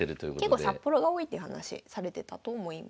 結構札幌が多いって話されてたと思います。